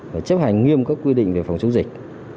và chấp hành nghiêm các quy định về phòng chống dịch